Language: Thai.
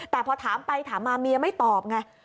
แต่พอถามไปถามมาเมียไม่ตอบไง